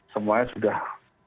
semuanya sudah tidak memiliki